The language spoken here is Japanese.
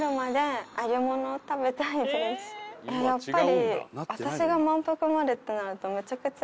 やっぱり。